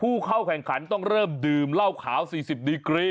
ผู้เข้าแข่งขันต้องเริ่มดื่มเหล้าขาว๔๐ดีกรี